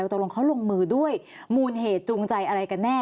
ตกลงเขาลงมือด้วยมูลเหตุจูงใจอะไรกันแน่